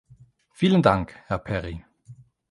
Vielen Dank, Herr Perry.